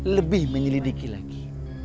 lebih menyelidiki lagi